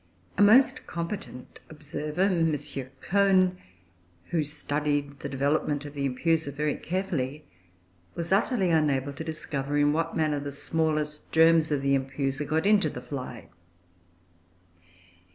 A most competent observer, M. Cohn, who studied the development of the Empusa very carefully, was utterly unable to discover in what manner the smallest germs of the Empusa got into the fly.